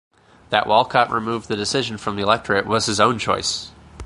That Walcott removed the decision from the electorate was his own choice.